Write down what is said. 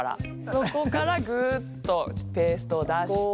そこからグッとペーストを出して。